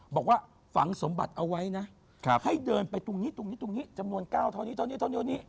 บอกว่าฝังสมบัติเอาไว้นะให้เดินไปตรงนี้ตรงนี้จำนวน๙ท่อนี้